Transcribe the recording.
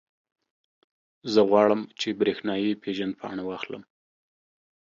زه غواړم، چې برېښنایي پېژندپاڼه واخلم.